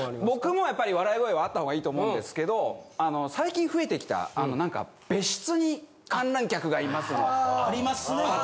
僕もやっぱり笑い声はあった方がいいと思うんですけどあの最近増えてきたあの何か別室に観覧客がいますよね。ありますね。